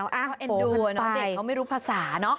เขาเอ็นดูตอนเด็กเขาไม่รู้ภาษาเนอะ